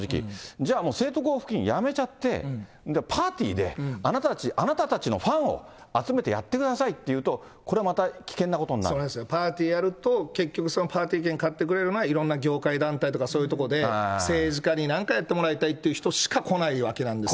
じゃあ、もう政党交付金やめちゃって、パーティーであなたたち、あなたたちのファンを集めてやってくださいっていうと、これはまそうですね、パーティーやると、結局そのパーティー券買ってくれるのは、いろんな業界団体とか、そういうところで、政治家になんかやってもらいたいという人しか来ないわけなんですよね。